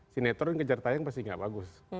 sinetor yang kejar tayang pasti tidak bagus